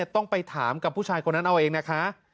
ต้องไปถามกับผู้ชายคนนั้นเอาเองนะคะ